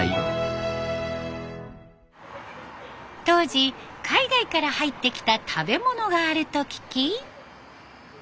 当時海外から入ってきた食べ物があると聞き。